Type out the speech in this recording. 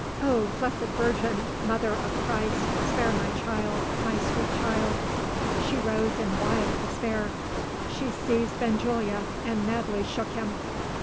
Oh, blessed Virgin, mother of Christ, spare my child, my sweet child!" She rose in wild despair she seized Benjulia, and madly shook him.